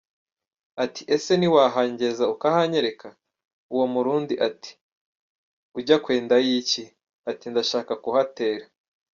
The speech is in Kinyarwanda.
Ati “Ese ntiwahangeza, ukahanyereka ?” Uwo murundi, ati“Ujya kwendayo iki ?” Ati “Ndashaka kuhatera” .